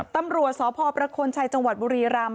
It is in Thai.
ตำรวจสพประคลชัยจังหวัดบุรีรำ